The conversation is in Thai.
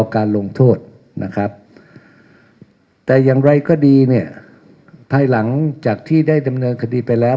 การลงโทษนะครับแต่อย่างไรก็ดีเนี่ยภายหลังจากที่ได้ดำเนินคดีไปแล้ว